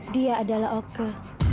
dia adalah oka